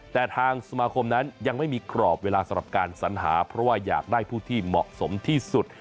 แต่ทางสมาคมนั้นยังไม่มีกรอบเวลาสำหรับการสัญหาเพราะว่าอยากได้ผู้ที่เหมาะสมที่สุด